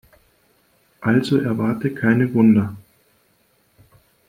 Also erwarte keine Wunder.